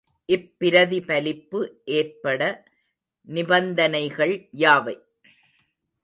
இப்பிரதிபலிப்பு ஏற்பட நிபந்தனைகள் யாவை?